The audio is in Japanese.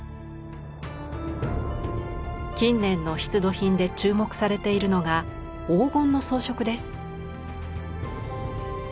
近年の出土品で注目されているのが黄金の装飾です。